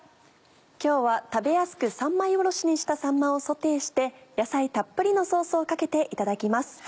今日は食べやすく三枚おろしにしたさんまをソテーして野菜たっぷりのソースをかけていただきます。